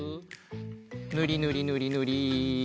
ぬりぬりぬりぬり。